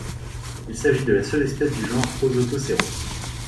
Il s'agit de la seule espèce du genre Ozotoceros.